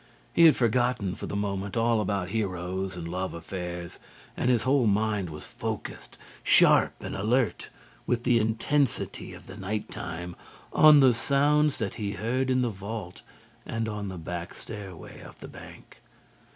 He had forgotten for the moment all about heroes and love affairs, and his whole mind was focussed, sharp and alert, with the intensity of the night time, on the sounds that he heard in the vault and on the back stairway of the bank.